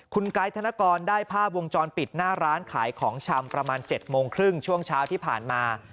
คุณไกด์ธนกรได้ภาพวงจรปิดหน้าร้านขายของชำประมาณ๗โมงครึ่งช่วงเช้าที่ผ่านมา